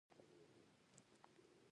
نامګذارې يې له بټې ګوتې څخه پیل کړل.